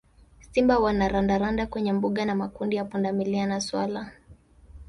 Simba wana randaranda kwenye mbuga na makundi ya pundamilia na swala